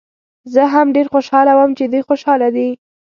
زه هم ډېر خوشحاله وم چې دوی خوشحاله دي.